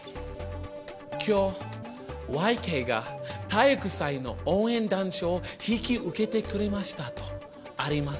「今日Ｙ・Ｋが体育祭の応援団長を引き受けてくれました」とあります。